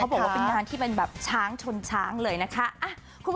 บอกว่าเป็นงานที่เป็นแบบช้างชนช้างเลยนะคะ